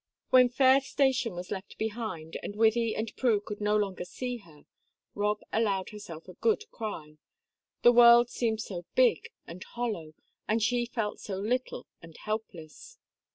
When Fayre station was left behind, and Wythie and Prue could no longer see her, Rob allowed herself a good cry the world seemed so big and hollow, and she felt so little and helpless!